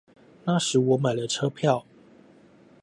那時我買了車票